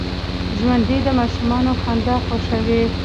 ژوندي د ماشومانو خندا خوښوي